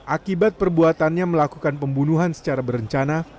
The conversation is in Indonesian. akibat perbuatannya melakukan pembunuhan secara berencana